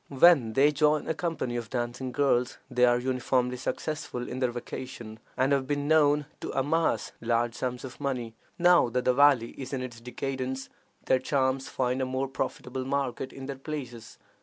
When they join a company of dancing girls, they are uniformly successful in their vocation, and have been known to amass large sums of money. Now that the valley is in its decadence, their charms find a more profitable market in other places.